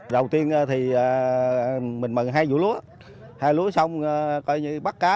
đầu tiên thì mình mận hai vũ lúa hai lúa xong coi như bắt cá